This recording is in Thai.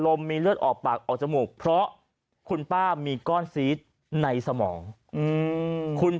มีเลือดออกปากออกจมูกเพราะคุณป้ามีก้อนซีสในสมองคุณ